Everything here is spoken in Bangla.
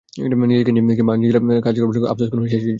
নিজেকে নিয়ে কিংবা নিজের কাজকারবার নিয়ে কোনো আফসোস নেই সেই জারজের।